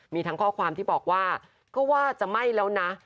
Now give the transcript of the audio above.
มีทั้งข้อความที่บอกว่าก็ว่าจะไม่แล้วนะ